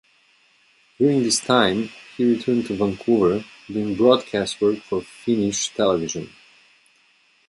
During this time, he returned to Vancouver, doing broadcast work for Finnish television.